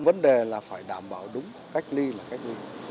vấn đề là phải đảm bảo đúng cách ly là cách ly